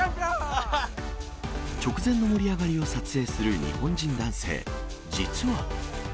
直前の盛り上がりを撮影する日本人男性、実は。